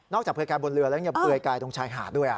นอกจากเปลือยกายบนเรือแล้วเปลือยกายตรงชายหาดด้วยอ่ะ